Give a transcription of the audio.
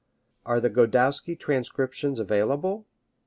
Are the Godowsky transcriptions available?